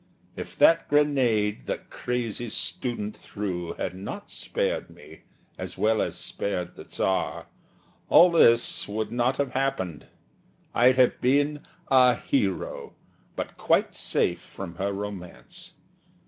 If that grenade the crazy student threw Had not spared me, as well as spared the Tsar, All this would not have happened. I'd have been A hero, but quite safe from her romance.